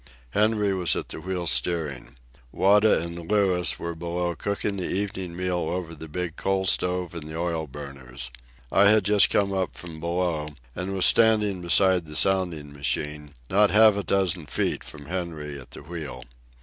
Henry was at the wheel steering. Wada and Louis were below cooking the evening meal over the big coal stove and the oil burners. I had just come up from below and was standing beside the sounding machine, not half a dozen feet from Henry at the wheel.